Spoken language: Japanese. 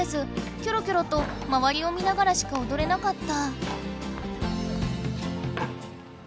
キョロキョロとまわりを見ながらしかおどれなかった。